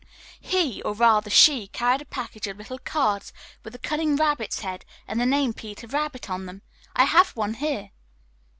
"He, or rather she, carried a package of little cards with a cunning rabbit's head and the name 'Peter Rabbit' on them. I have one here."